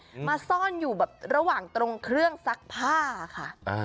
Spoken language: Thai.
มาซ่อนอยู่แบบระหว่างตรงเครื่องซักผ้าค่ะอ่า